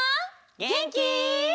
げんき？